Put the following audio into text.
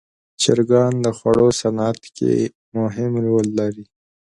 چرګان د خوړو صنعت کې مهم رول لري.